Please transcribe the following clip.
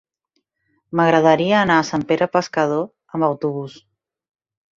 M'agradaria anar a Sant Pere Pescador amb autobús.